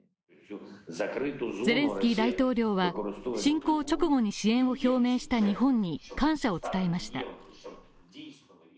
ゼレンスキー大統領は侵攻直後に支援を表明した日本に感謝を伝えしました。